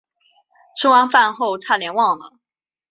吃完饭后差点忘了